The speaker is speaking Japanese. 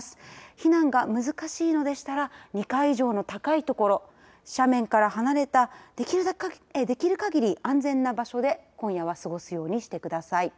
避難が難しいのでしたら２階以上の高いところ斜面から離れたできるかぎり安全な場所で今夜は過ごすようにしてください。